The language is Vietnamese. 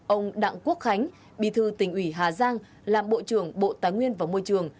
ông đặng quốc khánh bí thư tỉnh ủy hà giang làm bộ trưởng bộ tài nguyên và môi trường